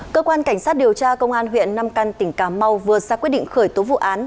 cơ quan cảnh sát điều tra công an huyện nam căn tỉnh cà mau vừa ra quyết định khởi tố vụ án